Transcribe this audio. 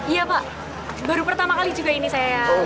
iya pak baru pertama kali juga ini saya lihat ya secara langsung